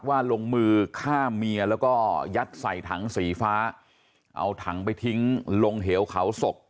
ลงมือฆ่าเมียแล้วก็ยัดใส่ถังสีฟ้าเอาถังไปทิ้งลงเหวเขาศก